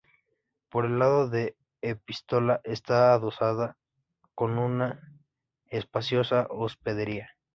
Por el lado de la epístola está adosada una espaciosa hospedería.